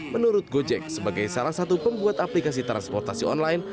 menurut gojek sebagai salah satu pembuat aplikasi transportasi online